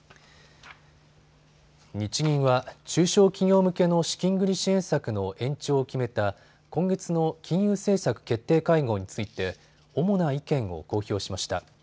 日銀は中小企業向けの資金繰り支援策の延長を決めた今月の金融政策決定会合について主な意見を公表しました。